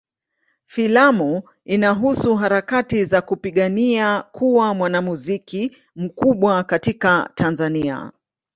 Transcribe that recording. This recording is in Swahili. Filamu inahusu harakati za kupigania kuwa mwanamuziki mkubwa katika Tanzania.